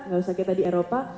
gak usah kita di eropa